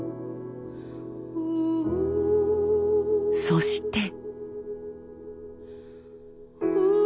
そして。